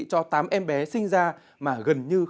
cho tám em bé sinh ra mà gần như không có